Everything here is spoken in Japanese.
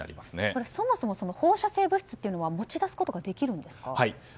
そもそも放射性物質というのは持ち出すことができるんですか。